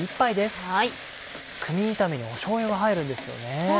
クミン炒めにしょうゆが入るんですよね。